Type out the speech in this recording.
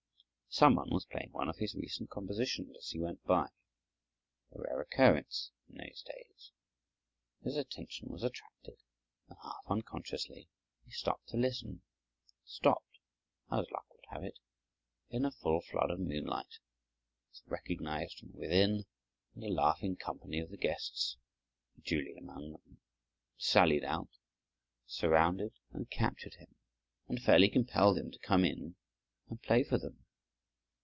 Some one was playing one of his recent compositions as he went by—a rare occurrence in those days. His attention was attracted and, half unconsciously, he stopped to listen—stopped, as luck would have it, in a full flood of moonlight, was recognized from within, and a laughing company of the guests, Julie among them, sallied out, surrounded and captured him, and fairly compelled him to come in and play for them.